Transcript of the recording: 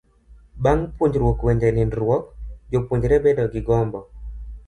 bang' puonjruok weche nindruok, jopuonjre bedo gi gombo